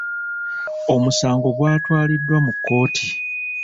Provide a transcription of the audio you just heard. Omusango gwatwaliddwa mu kkooti.